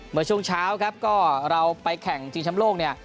เมื่อช่วงเช้าครับก็เราไปแข่งชิงชำโลกเนี่ย